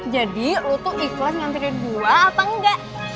jadi lo tuh ikhlas ngantri dua atau enggak